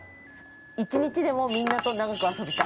◆１日でもみんなと長く遊びたい。